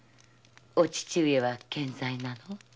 お父上は健在なの？